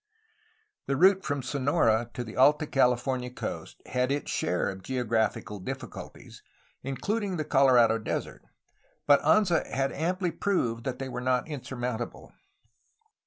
The route from Sonora to the Alta California coast had its share of geographical difficulties, including the Colorado Desert, but Anza had amply proved that they were not insurmountable.